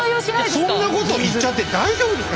そんなこと言っちゃって大丈夫ですか？